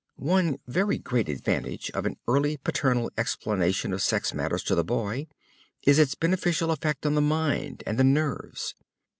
One very great advantage of an early paternal explanation of sex matters to the boy is its beneficial effect on the mind and the nerves.